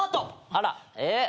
あらえっ？